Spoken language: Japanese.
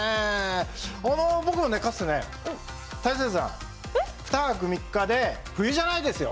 僕もかつてね大雪山２泊３日で冬じゃないですよ。